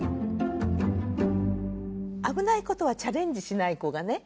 危ないことはチャレンジしない子がね